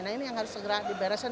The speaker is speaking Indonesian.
nah ini yang harus segera dibereskan